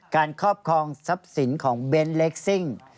ครอบครองทรัพย์สินของเบนท์เล็กซิ่ง